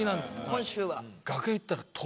今週は？